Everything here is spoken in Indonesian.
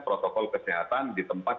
protokol kesehatan di tempat